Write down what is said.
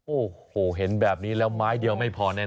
โอ้โหเห็นแบบนี้แล้วไม้เดียวไม่พอแน่